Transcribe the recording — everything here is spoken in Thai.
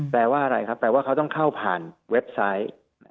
แปลว่าอะไรครับแปลว่าเขาต้องเข้าผ่านเว็บไซต์